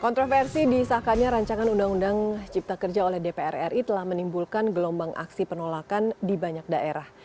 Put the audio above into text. kontroversi disahkannya rancangan undang undang cipta kerja oleh dpr ri telah menimbulkan gelombang aksi penolakan di banyak daerah